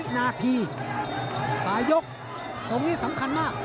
ซ้ายต้นมาตรงนี้มาสวนสลับ